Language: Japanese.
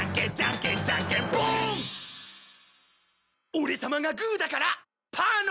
オレ様がグーだからパーの勝ち！